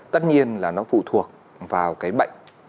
tất nhiên là nó phụ thuộc vào cái bệnh